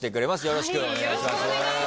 よろしくお願いします。